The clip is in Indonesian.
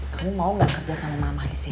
kamu mau gak kerja sama mama isi